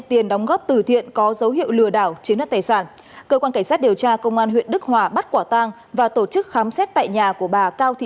hãy đăng ký kênh để nhận thông tin nhất